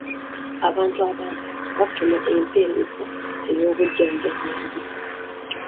Abantu bafuna empeereza y'obujjanjabi embi.